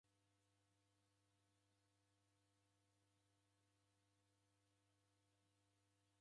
W'ana w'a w'aka w'engi w'azoya meri w'iko na miaka ikumi na inya.